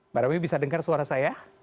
mbak rawi bisa dengar suara saya